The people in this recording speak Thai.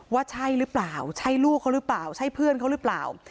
ว่าใช่หรือเปล่าใช่ลูกเขาหรือเปล่าใช่เพื่อนเขาหรือเปล่า